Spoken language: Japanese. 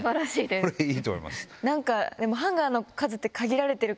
これいいと思います。